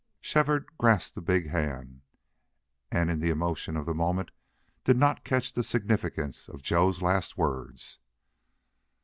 Shefford grasped the big hand and in the emotion of the moment did not catch the significance of Joe's last words.